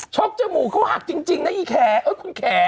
ชกจมู๋เค้าหักจริงนะอีแข่เอ่อคุณแข่